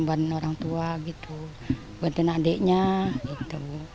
membantu orang tua gitu buatan adiknya gitu